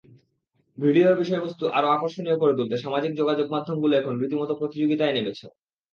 Video বিষয়বস্তু আরও আকর্ষণীয় করে তুলতে সামাজিক যোগাযোগমাধ্যমগুলো এখন রীতিমতো প্রতিযোগিতায় নেমেছে।